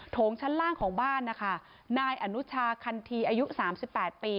งชั้นล่างของบ้านนะคะนายอนุชาคันทีอายุ๓๘ปี